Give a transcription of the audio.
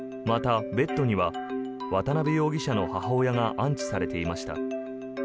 また、ベッドには渡辺容疑者の母親が安置されていました。